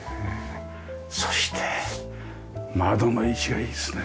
そして窓の位置がいいですね。